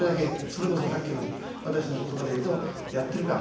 それこそ、さっきの私のことばで言うと、やってる感。